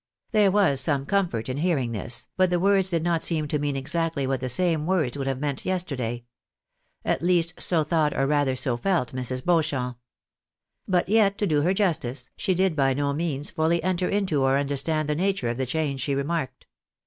There was some comfort in hearing this, but the words did not seem to mean exactly Avhat the same words would have meant yesterday — at least, so thought, or rather so felt, Mrs. Beauchamp. But yet, to do her justice, she did by no means fully enter into or understand the nature of the change she remarked.